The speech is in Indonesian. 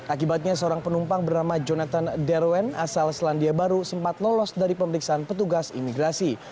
akibatnya seorang penumpang bernama jonathan derwen asal selandia baru sempat lolos dari pemeriksaan petugas imigrasi